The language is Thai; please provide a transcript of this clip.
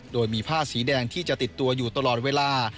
โดยมีผ้าสีแดงที่จะติดตัวอยู่ตลอดเวลา